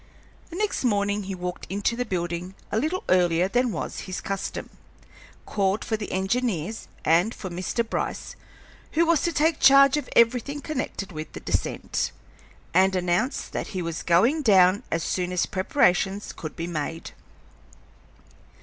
The next morning he walked into the building a little earlier than was his custom, called for the engineers, and for Mr. Bryce, who was to take charge of everything connected with the descent, and announced that he was going down as soon as preparations could be made.